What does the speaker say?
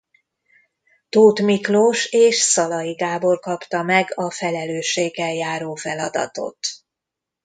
Tóth Miklós és Szalay Gábor kapta meg a felelősséggel járó feladatot.